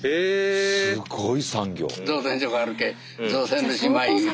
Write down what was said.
すごい産業。